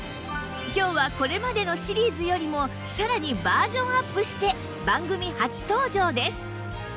今日はこれまでのシリーズよりもさらにバージョンアップして番組初登場です！